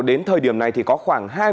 đến thời điểm này thì có khoảng